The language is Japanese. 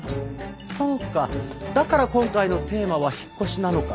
「そうかだから今回のテーマは引っ越しなのか」